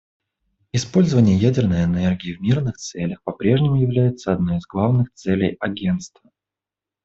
Использование ядерной энергии в мирных целях по-прежнему является одной из главных целей Агентства.